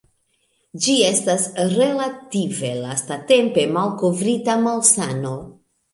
Ĝi estas relative lastatempe malkovrita malsano.